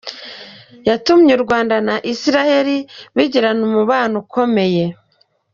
Yatumye u Rwanda na Israel bigirana umubano ukomeye.